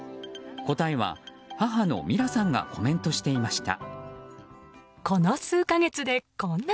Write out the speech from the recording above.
答えは母のミラさんがコメントしていました。